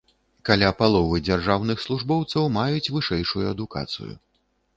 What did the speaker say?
Каля паловы дзяржаўных службоўцаў маюць вышэйшую адукацыю.